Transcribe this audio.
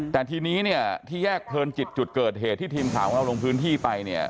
แต่ทีนี้ที่แยกเทินจิตจุดเกิดเหตุที่ทีมข่าวเราลงพื้นที่ไป